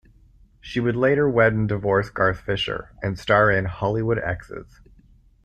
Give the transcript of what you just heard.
She would later wed and divorce Garth Fisher, and star in "Hollywood Exes".